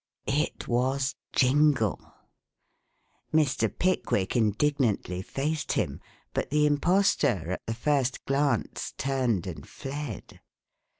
It was Jingle. Mr. Pickwick indignantly faced him, but the impostor, at the first glance turned and fled.